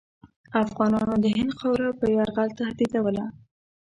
افغانانو د هند خاوره په یرغل تهدیدوله.